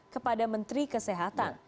kepada menteri kesehatan